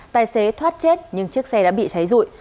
tài xế thoát chết nhưng chiếc xe đã bị cháy rụi